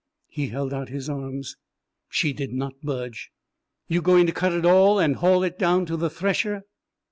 He held out his arms. She did not budge. "You going to cut it all and haul it down to the thresher?"